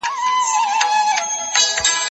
زه پرون چپنه پاکه کړه!.